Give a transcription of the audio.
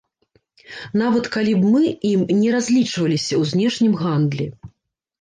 Нават калі б мы ім не разлічваліся ў знешнім гандлі.